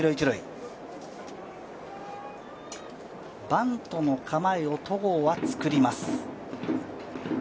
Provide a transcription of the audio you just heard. バントの構えを戸郷は作ります。